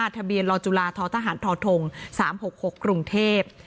ทะเบียนรจุฬาททธ๓๖๖กรุงเทพฯ